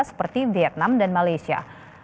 seperti vietnam dan malaysia